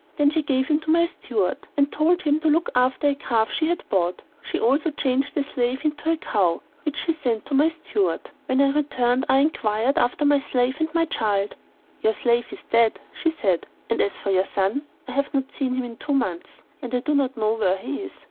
Then she gave him to my steward, and told him to look after a calf she had bought. She also changed the slave into a cow, which she sent to my steward. When I returned I inquired after my slave and the child. "Your slave is dead," she said, "and as for your son, I have not seen him for two months, and I do not know where he is."